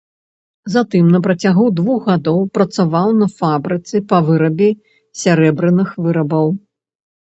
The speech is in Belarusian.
Затым на працягу двух гадоў працаваў на фабрыцы па вырабе сярэбраных вырабаў.